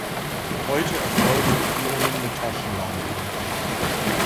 Heute erfolgen die Führungen mit Taschenlampen.